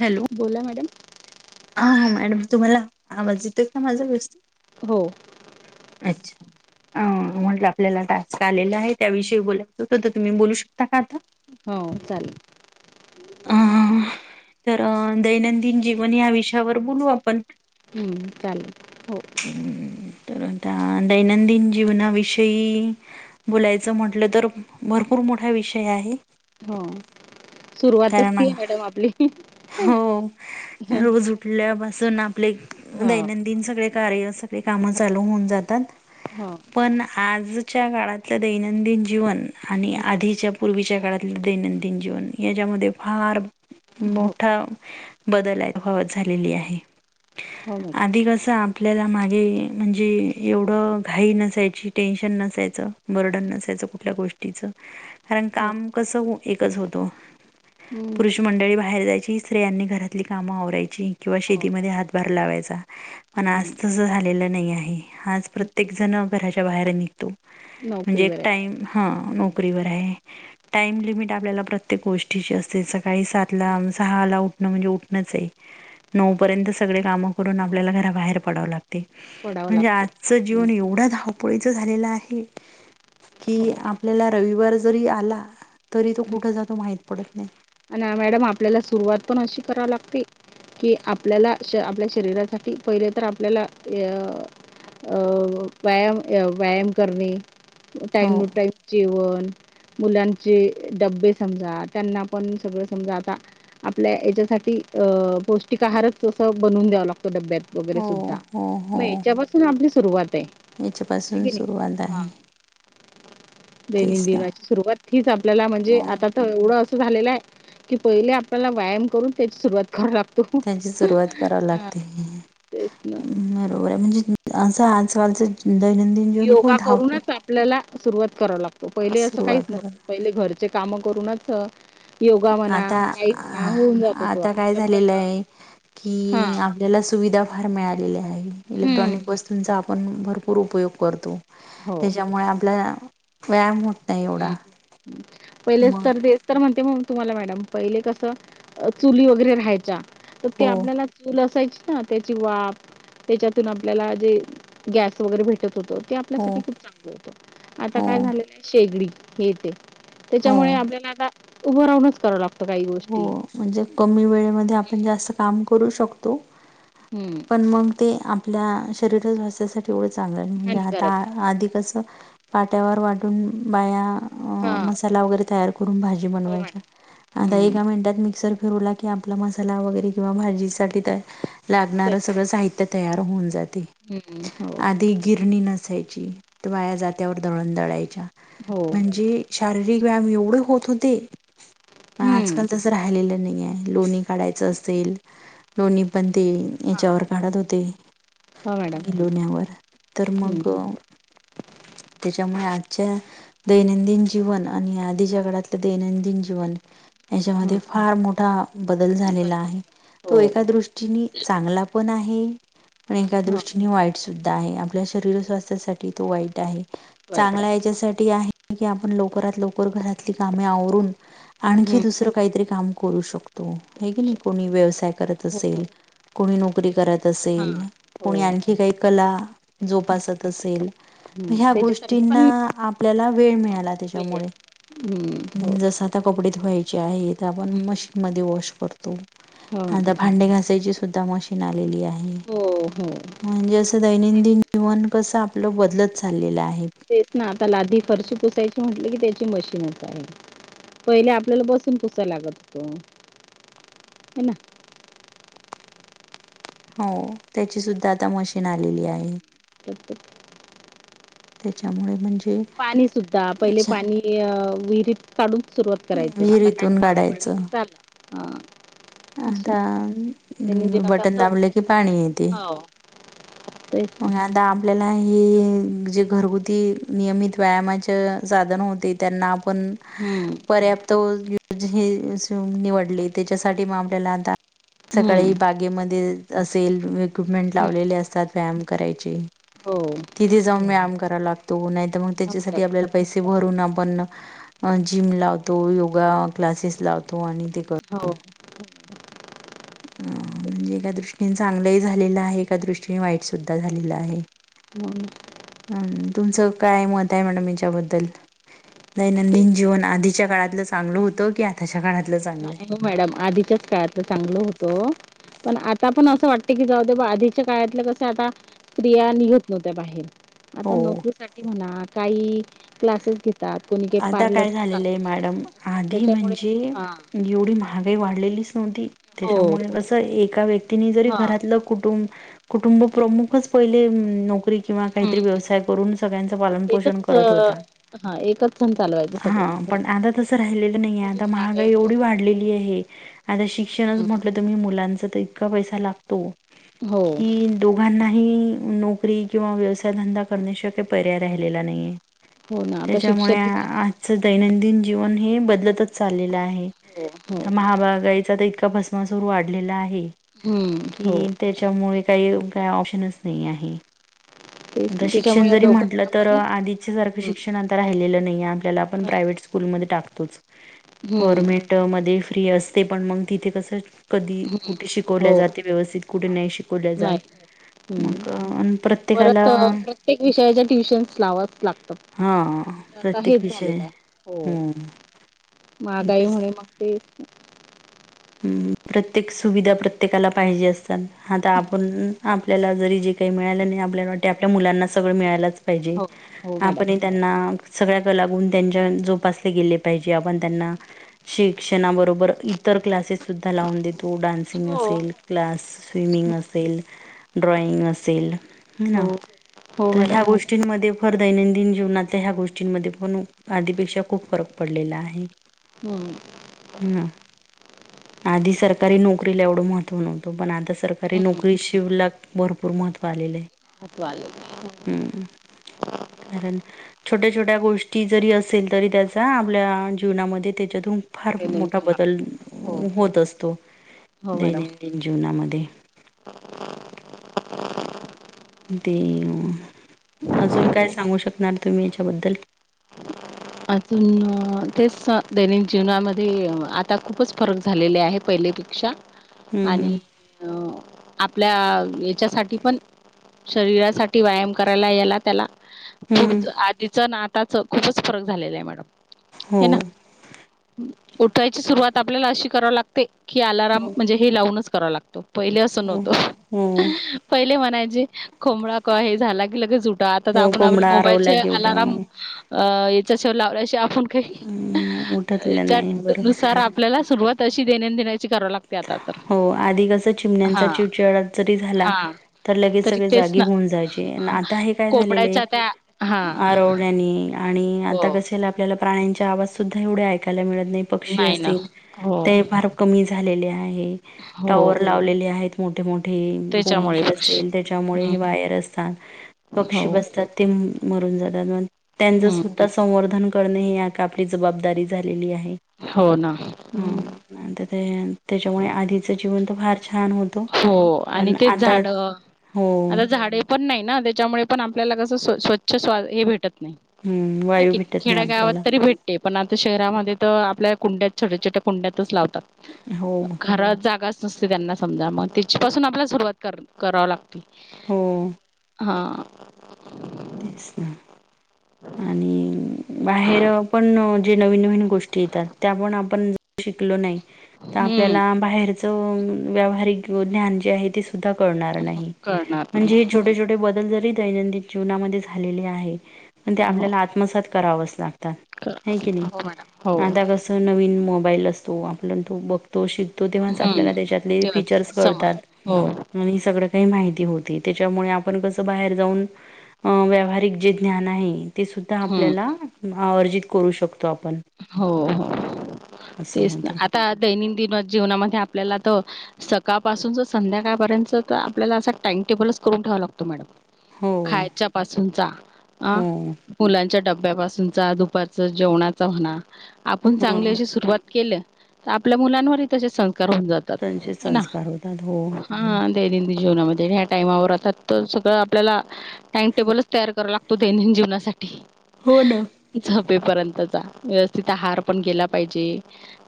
Hello बोला madam. आणि मी तुम्हाला आवाज येतोय का माझ्या गोष्ट. हो अच्छा, अं म्हटलं आपल्याला टास्क आलेला आहे त्याविषयी बोलायचं होतं तर तुम्ही बोलू शकता का आता, हो चालेल. अं तर दैनंदिन जीवन या विषयावर बोलू आपण. हम्म चालेल हो. तर आता दैनंदिन जीवनाविषयी बोलायचं म्हंटलं तर भरपूर मोठा विषय आहे. हो. सुरुवातच कारण ती आहे मॅडम आपली. हो जणू आपले हा दैनंदिन सगळे कार्य ते काम हो चालू ना. होऊन जातात हो पण आज च्या काळातलं दैनंदिन जीवन आणि आधीच्या पूर्वीच्या काळातलं दैनंदिन जीवन या मधे फार हो मोठा बदल अत [unintelligible] झालेला हो आहे. हो मॅडम आधी कसं आपल्याला मागे म्हणजे एवढं घाई नसायची, टेन्शन नसायचं, बर्डन नसायचं. कुठल्या गोष्टीचं कारण हो काम कसं एकच होतं. हम्म. पुरुष मंडळी बाहेर जायची. स्त्रियांनी घरातली कामं आवरायची किंवा हो शेतीमध्ये हातभार लावायचा. पण हम्म, आज तसं झालेलं नाही आहे. आज हम्म. प्रत्येक जण घराच्या बाहेर निघतो. म्हणजे नोकरीवर आहे टाईम हं नोकरीवर आहे. टाईम लिमिट आपल्याला प्रत्येक गोष [unintelligible] सकाळी सातला हम्म, सहाला उठणं म्हणजे उठणंच ऐ. नऊ पर्यंत सगळे काम आपल्याला घरा बाहेर पडावं लागते. पडावं म्हजे लागतं आजचं हम्म, जीवन एवढं धावप पुढेच झालेला आहे. कि हो आपल्याला रविवार जरी आला, तरी तो हम्म. कुठ जातो महित पडत नाही. आणि मॅडम आपल्याला सुरुवात पण अशी करावी लागते कि आपल्याला आपल्या शरीरासाठी पहिले तर आपल्याला अ अ व्यायाम व्यायाम करणे. टाइम हो टू टाइम जेवण, मुलांचे डबे, समजा त्यांना पण सगळं समजा आता, आपल्या याच्यासाठी पौष्टिक आहारच तसं बनवून द्यावं लागत. डब्यात वगैरे हो सुद्धा हो हो मग याच्यापासून आपली सुरुवात आहे. आहे याच्यापासून की नाही? सुरुवात आहे. तेच ना दैनंदिनाची सुरुवात हीच आपल्याला म्हणजे हो आता तर एवढं झालेला आहे की पहिले आपल्याला व्यायाम करून त्याची सुरवात त्यांची सुरवात करावी लागते. तेच ना. बरोबर म्हणजे असं आजकालचं दैनंदिन जीवन खूप योगा धावप करूनच आपल्याला सुरुवात कराव लागतो पहिले असं काहीच करा नव्हतं. पहिले घरचे कामं करूनच योगा म्हणा आता काई म्हणा होऊन जात होतो. आता तर हा आपला सुविधा फार मिळालेल्या आहे इलेक्ट्रॉनिक हम्म. वस्तूंचा आपण भरपूर उपयोग करतो. हो. त्याच्यामुळे आपल्या व्यायाम हो हम्म पहिलेच तर तेस तर म्हणते मग. तुम्हाला मॅडम पहिले कसं चुली वगैरे राहायच्या, तर ते हो आपल्याला चूल असायची. हा. त्याची वाफ त्याच्यातून आपल्याला जे गॅस वगैरे भेटत होते ते हो आपल्यासाठी खूप चांगलं होत. आता हो काय झालेलं आहे शेगडी हे तेे. त्याच्यामुळे हो आपल्याला आता उभं राहूनच करावं लागतो. हो म्हणजे कमी वेळेमध्ये आपण जास्त काम करू शकतो. हम्म, पण मग ते आपल्या शरीर स्वास्थ्यासाठी एवढंच. चांगलं म्हणजे आता हानिकारक आहे. आधि कसं पाट्यावर वाटून बाया अं हां. मसाला वगैरे तयार करून भाजी बनवायच्या. आता हम्म. एका मिनिटात मिक्स क [unintelligible] फिरवला कि आपला मसाला वगैरे किंवा भाजीसाठी ते लागणार सगळं साहित्य तयार होऊन जाते, हम्म. हो, आधी गिरणी न [unintelligible] बाया जात्यावर दळण दळायच्या हो. म्हणजे शारीरिक व्यायाम एवढे होत होते पण हम्म. आजकाल तसं राहिलेलं नाही आहे लोणी काढायच असेल लोणी पण ते याच्यावर काढत होते हो मॅडम. गिलोण्यावर तर हं. मग त्याच्यामुळे आजच्या दैनंदिन जीवन आणि आधीच्या काळातले दैनंदिन जीवन हां. याच्यामध्ये फार मोठा बदल झालेला आहे हो. तो एका दृष्टीने चांगला पण आहे हे पण एका हां, दृष्टीने वाईट सुद्धा आहे आपल्या शरीर स्वास्थ्यासाठी तो वाईट आहे वाईट चांगला आहे. याच्यासाठी आहे की आपण लवकरात लवकर घरातली कामे आवरून हं. आणखी दुसरं काहीतरी काम करू शकतो हे क नाही कोणी व्यवसाय करत हो असेल कोणी नोकरी करत असेल हो कोणी आणखी काही कला जोपासत असेल हं. ह्या त्याच्यासाठी पण गोष्टींना आपल्याला ला त्यामुज्याळे हं, हो ज कडे धुवायचे आहे आपण मशीन म वॉश करतो आणिता मॅडम. भांडे घासायचे सुद्धा मशीन आलेली आहे हो हो म्हणजे असं दैनंदिन जीवन कसं आपलं बदलत चाललेलं आहे तेच ना, आता लाधी फरशू पुसायची म्हटलं की त्याची मशीनच आहे, पहिले आपल्याला बसून पुसाय लागत होतं हॅलो. हो, त्याची सुद्धा आता मशीन आलेली आहे. [inaudible] त्याच्यामुळे म्हणजे पाणीसुद्धा पहिले पाणी हे विहिरीत काढून सुरुवात करायचं, आता काय विहिरीतून नळ वगैरे काढायचं आहे. ता हां. आता त्यांनी दिला बटन तसं दाबले, की पाणी येते मग आता आपल्या ला हे जे घरगुती नियमित व्यायामाच्या साधन होते, त्यांना पण हम्म पर्याप्त [unintelligible] निवडले. त्याच्यासाठी म आपल्याला हम्म सकाळी बागेमध्ये असेल, इक्विपमेंट लावलेले असतात व्यायाम करायचे. हो तिथे जाऊन व्यायाम करावा लागतो, नाहीतर मग त्याच्यासाठी आपल्याला पैसे भरून आपण जिम लावतो, योगा क्लासेस लावतो आणि ते कर हो. ह. म्हणजे एका दृष्टीने चांगलंही झालेलं आहे, एका दृष्टीने वाईटसुद्धा झालेलं आहे. म्हणून अं तुमचं काय मत आहे, मॅडम याच्याबद्दल? दैनंदिन जीवन आधीच्या काळातलं चांगल होतं, की आताच्या काळात? हो मॅडम, आधीच्याच काळातलं चांगलं होतं ओ. पण आता पण असं वाटतं, की जाऊ देऊ म आधीच्या काळातलं कस आता स्त्रिया निघत नव्हत्या बाहेर. आता हो नोकरीसाठी म्हणा, काही क्लासेस घेत तात. कोणी काही आता काय पार्लर झालेलं आहे चालवतं, मॅडम आधी त्याच्यामुळे म्हणजे हा एवढी महागाई वाढलेलीच नव्हती. हो त्याच्यामुळे कसं एका व्यक्तीने जरी घरातलं कुटुंब कुटुंब प्रमुखच पहिले नोकरी किंवा काहीतरी व्यवसाय करून, सगळ्यांच पालनपोषण एकच करत होता. हा एकच सण चालवायचं हा, सगळं पण आता तसं राहिलेलं नाहीये, आता महागाई एवढी वाढलेली आहे, आता शिक्षणच म्हटलं तुमी मुलांचं, तर इतका पैसा लागतो हो की दोघांना की नोकरी किंवा व्यवसायधंदा करण्याशिवाय काय पर्याय राहिलेला नाहीये. हो ना, आप शिक त्यामुळे आजचं दैनंदिन जीवन हे बदलतच चाललेलं आहे. हो तर महाबागाईचा तर इतका भस्मासुर वाढलेला आहे हम्म हो की त्याच्यामुळे काही काही ऑप्शनच नाही आहे. तेच आता ना, शिक्षण त्याच्यामुळे या जरी म्हटलं, दोघांना तर पण आधीच्यासारखं शिक्षण आता राहिलेलं नाहीये आपल्याला, आपण प्राव्हेट स्कुलमध्ये टाकतोच. हम्म गव्हरमेंट मध्ये फ्री असते, पण मग तिथे कसं कधी कुठे हो शिकवल्या जाते व्यवस्थित, कुठे नाही शिक वले जात. नाही मग प्रत्येक तर प्रत्येक विषयाच्या ट्युशन्स लावाव्याच लागतात. हा त आता प्रत्येक हेच झालं विषय का? हो. हम्म मागाईमुळे मग ते [unintelligible] हम्म. प्रत्येक सुविधा प्रत्येकाला पाहिजे असतात, आता आपण आपल्याला जरी जे काही मिळालं नाही आपल्याला वाटे, आपल्या मुलांना सगळं मिळायलाच पाहिजे. हो आपणही मॅडम त्यांना सगळ्याक लागून त्यांच्या जोपासले गेले पाहिजे. आपण त्यांना शिक्षणाबरोबर इतर क्लासेससुद्धा लावून देतो, डान्सिंग असेल क्लास, स्विमिंग असेल, ड्रॉइंग असेल. हॊ हो ना. हो तर मॅडम ह्या गोष्टींमध्ये फर दैनंदिन जीवनातल्या ह्या गोष्टींमध्ये पण आधीपेक्षा खूप फरक पडतो. पडलेला आहे. हम हा आधी सरकारी नोकरीला एवढं महत्व नव्हतं पण आता सरकारी नोकरी सवलत भरपूर मत आलेलेय. हतवा ल [unintelligible] कारण छोट्या छोट्या गोष्टी जरी असेल तरी त्याचा आपल्या जीवनामध्ये त्याच्यातून फार. मोठा बदल होत असतो हो मॅडम दैनंदिन जीवनामध्ये. दे. ते अजून काय सांगू शकणार तुम्ही याच्याबद्दल. [unintelligible] अजून तेच दैनिक जीवनामध्ये आता खूपच फरक झालेले आहे पहिलेपेक्षा. हम्म आणि आपल्या याच्यासाठी पण शरीरासाठी व्यायाम करायला यायला त्याला. हम्म हम्म पुढ आधीच आताच खूपच फरक झालेला आहे मॅडम हे ना हो उठवायची सुरुवात आपल्याला अशी करावी लागते. की अलारम म्हणजे हे लावूनच करावा लागतो पहिले असं हो नव्हतो हो पहिले म्हणाय. कोंबडा कोय हे झाला की लगेच उठा आता हो आपण आपले कोंबडा हरवला मोबाईलचे की उठ अलारम अ याचा शे लावला उठतला त्याच नाही बरं नुसार आपल्याला सुरुवात अशी देण्या देण्याची हो आधी कस चिमण्यांचा चिडचिड जरी झाला हा तर लगेच तरी सगळे तेच जागी ना होऊन जायचे हा आता हे काय झालेले कोंबड्याच्या त्या हा आरवण्याने आणि आता कसे आपल्याला प्राण्यांच्या आवाज सुद्धा एवढे ऐकायला मिळत पक्षी नाही अस ना हो फार कमी. झा आहे हो टॉवर लावलेले आहेत मोठे मोठे. थेंब फोन त्याच्यामुळे ची हम्म त्यामुळे वायर असतात हो पक्षी बसतात ते त्यांच हम्म सुद्धा संवर्धन करणे हे आपली जबाबदारी झालेली आहे. हो ना त्याच्यामुळे आधीच जीवन फार! छान होतं हो आणि पण ते आता झाड हो आता झाडे पण नाही ना त्याच्यामुळे पण आपल्याला कस स्व स्वच्छ स्वा हे भेटत हम्म नाही वायू की भेटत नाही खेड्यागावात आपल्याला तरी भेटते पण आता शहरामध्ये तर आपल्या कुंड्यात छोट्या छोट्या कुंड्यातच लावतात हो खर जागा ते त्यांना समजा मग त्याच्यापासून आपल्याला सुरुवात कर कराव लागते. होम हां तेच ना आणि बाहेर पण जे नवीन नवीन गोष्टी येतात त्या आपण आपण शिकलो नाही तर हम्म आपल्याला बाहेर व्यावहारिक ज्ञान जे आहे ते करणार म्हण नाही छ ब दैनंदन जीवनामध्ये झालेली आहे प ते हो आपल्याला आत्मसात करावं अस कर की नाही हो आता कस नवीन मोबाईल असतो आपण तो बघतो श तो तेव्हाच हम्म आपल्याला त्याच्यातले तेव्हाच फीचर्स समा कळतात हो आणि सगळं काही माहिती होत त्याच्यामुळे आपण कसं बाहेर जाऊन व्यावहारिक जे ज्ञान आहे ते सुद्धा हम्म आपल्याला अर्जित करू शकतो आपण हो हो असं तेच ना होते आता दैनंदिन जीवनामध्ये आपल्याला तर सकाळपासून संध्याकाळपर्यंत तर आपल्याला असं टाइमटेबलच हो खाच्या हो ुचा दुपारच जेवणाचा होणा आपण चांगली ह अशी सुरुवात केलं आपल्या मुलांवर त सं जातात त्यांचे ना संस्कार होतात हो हा दैनंदिन जीवनामध्ये... टाइमावर आतात त सगळं आपल्याला टाइमटेबलच तयार कराव लागतो दैनंदिन जीवनासाठी..... होना.... पेपर पर्यंत..... व्यवस्थित आहार पण गेला पाहिजे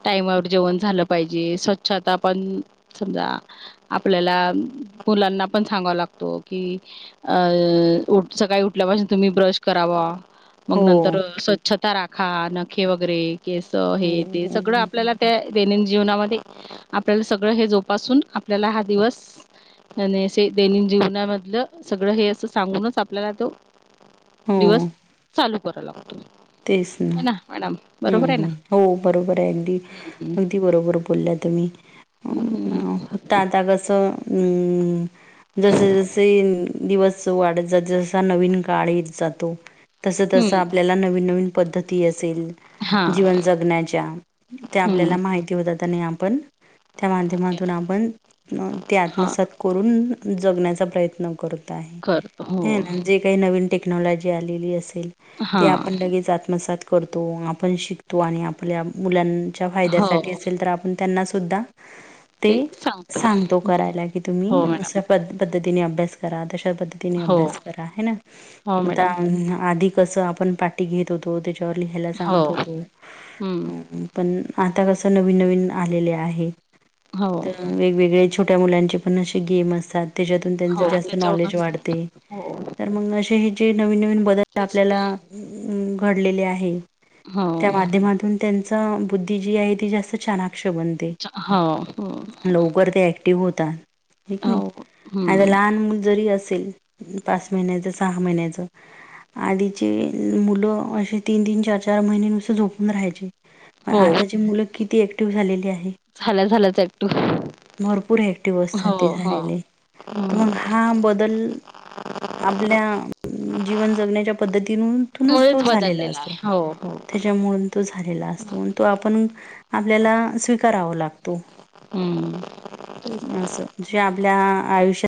टाईमावर जेवण झालं पाहिजे स्वच्छता पण... समजा आपल्याला मुलांना पण सांगावा लागतो की अ... उठ सकाळी उठल्यापासून तुम्ही ब्रश करावा... मग हो नंतर स्वच्छता राखा नखे वगैरे... केस हे हो ते हो सगळं हो, आपल्याला त्या... दैनंदिन जीवनामध्ये आपल्याला सगळं हे जो पासून आपल्याला हा दिवस... आणि असे दैनंदिन जीवनामधलं सगळं हे असं सांगूनच आपल्याला तो... दिवस चालू करा लागत... तेस हम्म बरोबर आहे ना हम् हो बरोबर आहे अगदी हम्म अगदी बरोबर बोलला तुम्ही.... हम्म ताता कस अम जस जसे येईल... दिवस वाढत जात नविन काळ जातो तस तस हम्म आपल्याला... पदधती असेल हा जीवन जगण्याच्या त्या हम्म आपल्याला महिती होताता आणि आपण त्या माध्यमातून आपण ते हा आत्मसात करून...... जगण्याचा प्रयत्न करत आहे करतो हो हे ना जे काही नवीन टेक्नॉलॉजी आलेली असे... हा ते आपण लगेच आत्मसात करतो आपण शिकतो आणि आपल्या मुलां... च्या हो फायद्यासाठी असेल तर आपण त्यांना सुद्धा.... ते सांगतो करायला की तुम्ही पद्धतीने अभ्यास करा... हो अभ्यास करा हो आ मॅडम आधी कस आपण पाठी घेत होतो. लिहाय हो सांगत होतो हम्म पण... आता कसं नवीन नवीन आलेले आहे हो तर वेगवेगळे... छोट्या मुलांचे पण असे गेम असतात... त्याच्यातून त्यांच हो जास्त नॉलेज त्याच्यावरूनच सांगतो वाढते हो तर मग असे हे जे नवीन नवीन बदल तेच ना आपल्याला.... घडले आहे हो त्या माध्यमातून त्यांच बुद्धी जी आहे ती जास्त च्यालाख.... बनते. हो हो लवकर ते ऍक्टिव्ह होते. क नाही हो आणि हम्म लहान मुल जरी असली.... असेल पाच महिन्याचं सहा महिन्याचं आधीचे... मुलं असे तीन तीन चार चार महिन नुसतं झोपून राहायचे... पण हो आताची मुलं किती ऍक्टिव्ह झालेली आहे... झालं झालंच टॅटू.... भरपूर ऍक्टिव्ह असतात ते झालेले तर हम्म मग हा बदल.... आपल्या जीवन जगण्याच्या पद्धतीन... मुळेच तोल-मोल जालेला बदललेला असतो आहे. हो हो त्याच्यामुळून तो... झालेला असतो तो आपण आपल्याला स्वीकारावा लागतो... हम्म... असं जे आपल्या आयुष्यात...